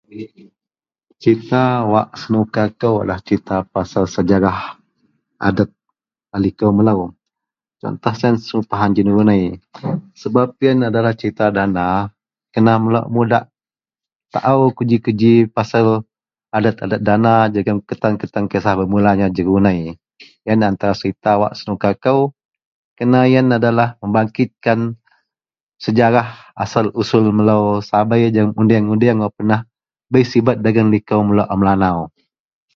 cerita wak senuka kou adalah cerita pasal sejarah adet a liko melou, contoh sien sumpahan jerunei sebab ien adalah cerita dana kena melou mudak taau ko ji ji pasal adet adet dana jegum kutan -kutan kisah bermulanya jerunai, ien antara serita wak senuka ko, kerana ien adalah membangkitkan sejarah asel usul melou sabei jegum undang-undang wak pernah bei sibet dagen liko melou a melanau